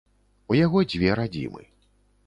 У яго дзве радзімы.